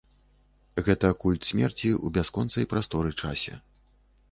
Гэта культ смерці ў бясконцай прасторы-часе.